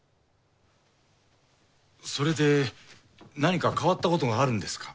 それで何か変わったことがあるんですか？